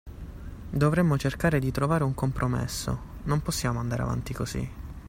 Dovremmo cercare di trovare un compromesso, non possiamo andare avanti così!